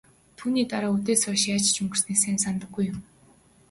Түүний дараа үдээс хойш яаж өнгөрснийг сайн санадаггүй юм.